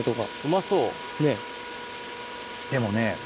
でもね。